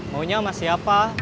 maunya sama siapa